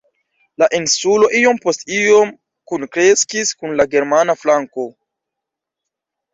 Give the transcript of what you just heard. La insulo iom post iom kunkreskis kun la germana flanko.